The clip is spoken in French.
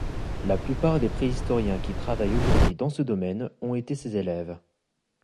La plupart des préhistoriens qui travaillent aujourd’hui dans ce domaine ont été ses élèves.